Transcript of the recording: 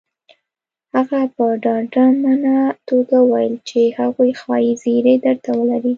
هغه په ډاډمنه توګه وويل چې هغوی ښايي زيری درته ولري